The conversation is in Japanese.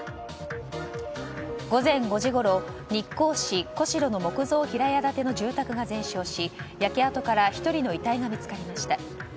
午前５時ごろ、日光市小代の木造平屋建ての住宅が全焼し、焼け跡から１人の遺体が見つかりました。